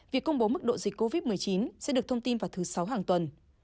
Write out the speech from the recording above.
việc công bố mức độ dịch covid một mươi chín sẽ được thông tin vào thứ sáu hàng tuần